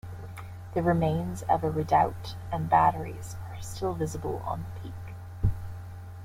The remains of a redoubt and batteries are still visible on the peak.